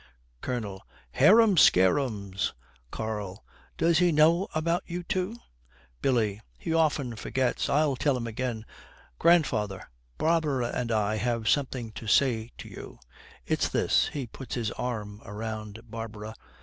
COLONEL. 'Harum scarums!' KARL. 'Does he know about you two?' BILLY. 'He often forgets, I'll tell him again. Grandfather, Barbara and I have something to say to you. It's this.' He puts his arm round Barbara.